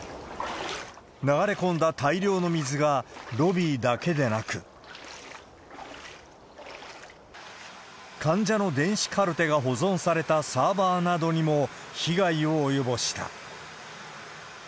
流れ込んだ大量の水がロビーだけでなく、患者の電子カルテが保存されたサーバーなどにも被害を及ぼした。